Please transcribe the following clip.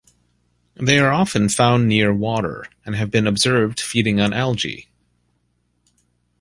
They are often found near water and have been observed feeding on algae.